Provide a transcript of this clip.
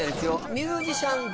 ミュージシャン同士。